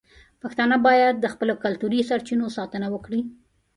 پښتانه باید د خپلو کلتوري سرچینو ساتنه وکړي.